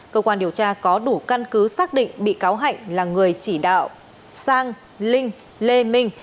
cơ quan điều tra có đủ căn cứ xác định bị cáo hạnh là người chỉ đạo sang linh lê minh